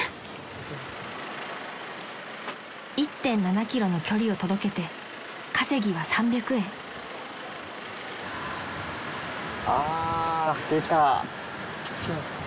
［１．７ｋｍの距離を届けて稼ぎは３００円］あ出た。